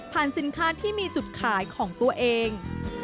สินค้าที่มีจุดขายของตัวเอง